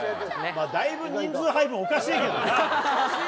だいぶ、人数配分おかしいけどな。